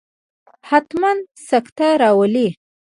حتما سکته راولي.